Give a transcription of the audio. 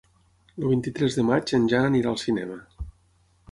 El vint-i-tres de maig en Jan anirà al cinema.